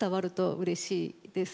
うれしいです。